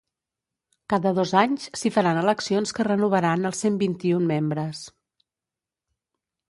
Cada dos anys s’hi faran eleccions que renovaran els cent vint-i-un membres.